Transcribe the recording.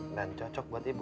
dan cocok buat ibu